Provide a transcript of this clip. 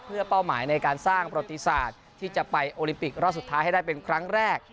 เพื่อเป้าหมายในการสร้างประติศาสตร์ที่จะไปโอลิมปิกรอบสุดท้ายให้ได้เป็นครั้งแรก